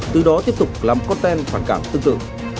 từ đó tiếp tục làm content phản cảm tư tưởng